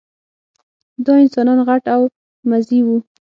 دا انسانان غټ او مزي وو.